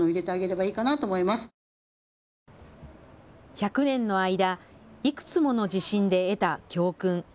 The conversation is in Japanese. １００年の間、いくつもの地震で得た教訓。